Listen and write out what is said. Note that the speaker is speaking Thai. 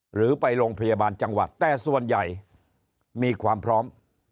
หรือไปโรงพยาบาลจังหวัดแต่ส่วนใหญ่มีความพร้อม